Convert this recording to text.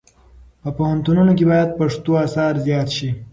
په پوهنتونونو کې باید پښتو اثار زیات شي.